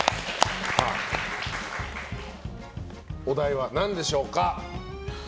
お題は何でしょうか。